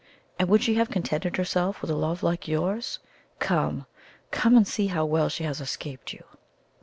And would she have contented herself with a love like yours? Come! Come and see how well she has escaped you!"